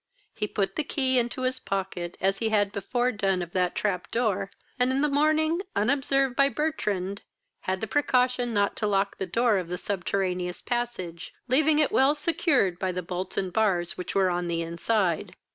He put the key into his pocket, as he had before done that of the trap door, and in the morning, unobserved by Bertrand, had the precaution not to lock the door of the subterraneous passage, leaving it well secured by the bolts and bars which were on the inside.